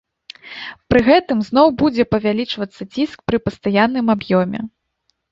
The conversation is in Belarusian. Пры гэтым зноў будзе павялічвацца ціск пры пастаянным аб'ёме.